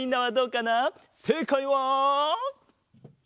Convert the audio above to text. せいかいは。